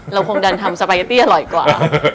เราคงดันทำสปาเกตตี้อร่อยกว่า